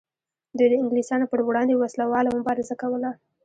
دوی د انګلیسانو پر وړاندې وسله واله مبارزه کوله.